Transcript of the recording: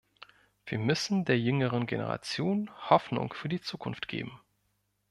Wir müssen der jüngeren Generation Hoffnung für die Zukunft geben.